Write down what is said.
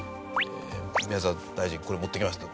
宮澤大臣これ持って来ました。